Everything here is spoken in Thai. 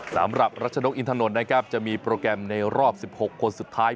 สำหรับรัชนกอินถนนนะครับจะมีโปรแกรมในรอบ๑๖คนสุดท้าย